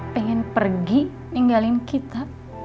pengen pergi ninggalin kita